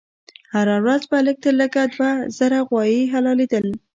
هر ورځ به لږ تر لږه دوه زره غوایي حلالېدل.